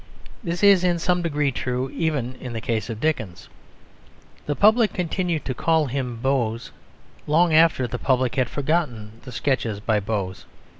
This is in some degree true even in the case of Dickens. The public continued to call him "Boz" long after the public had forgotten the Sketches by Boz.